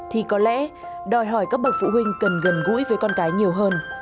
thì có lẽ đòi hỏi các bậc phụ huynh cần gần gũi với con cái nhiều hơn